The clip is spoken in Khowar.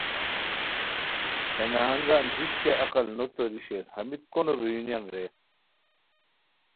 ہے نہنگان ہش کیہ عقل نو توری شیر ہمیت کونو بریونیان رے